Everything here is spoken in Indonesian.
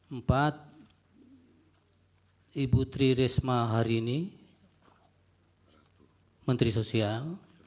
empat ibu tri resma harini menteri sosial